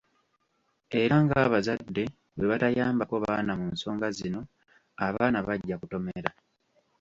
Era ng'abazadde bwe batayambako baana mu nsonga zino, abaana bajja kutomera.